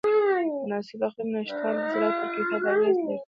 د مناسب اقلیم نهشتوالی د زراعت پر کیفیت اغېز لري.